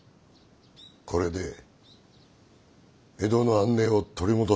これで江戸の安寧を取り戻せたかと。